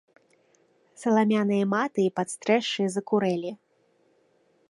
Саламяныя маты і падстрэшшы закурэлі.